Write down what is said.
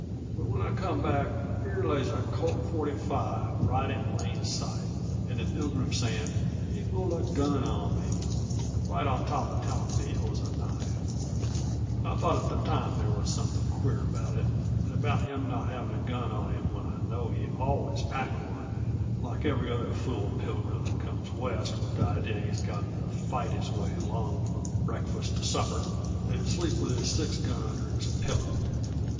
But when I come back, here lays a Colt forty five right in plain sight, and the Pilgrim saying, 'He pulled a gun on me,' right on top uh telling me it was a knife. I thought at the time there was something queer about that, and about him not having a gun on him when I know he always packed one like every other fool Pilgrim that comes West with the idea he's got to fight his way along from breakfast to supper, and sleep with his six gun under his pillow!"